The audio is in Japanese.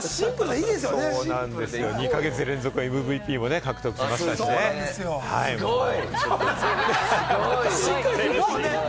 ２か月連続ＭＶＰも獲得しますごい！